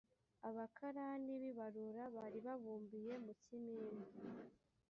abakarani b’ibarura bari babumbiye mu kimina